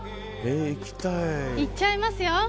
行っちゃいますよ。